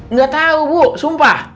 nggak tahu bu sumpah